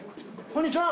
こんにちは！